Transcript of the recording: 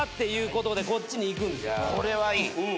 これはいい。